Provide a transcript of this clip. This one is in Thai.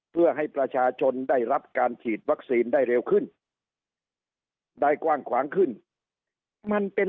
เพื่อให้ประชาชนได้รับการฉีดวัคซีนได้เร็วขึ้นได้กว้างขวางขึ้นมันเป็น